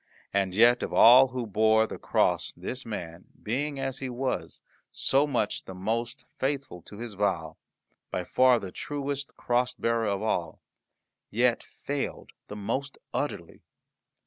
And yet of all who bore the cross this man, being, as he was, so much the most faithful to his vow, by far the truest cross bearer of all, yet failed the most utterly.